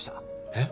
えっ？